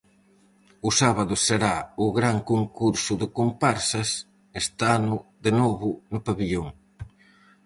O sábado será o gran concurso de comparsas, este ano, de novo, no pavillón.